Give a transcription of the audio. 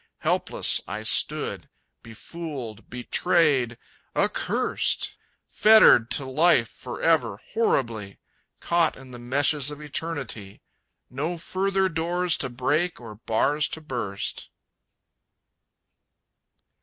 Helpless I stood, befooled, betrayed, accursed, Fettered to Life forever, horribly; Caught in the meshes of Eternity, No further doors to break or bars to burst!